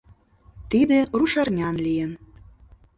Тиде рушарнян лийын.